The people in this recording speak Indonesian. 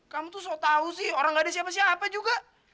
kamu tuh so tau sih orang gak ada siapa siapa juga